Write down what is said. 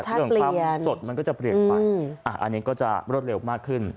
รสชาติเปลี่ยนสดมันก็จะเปลี่ยนไปอืมอ่าอันนี้ก็จะรสเร็วมากขึ้น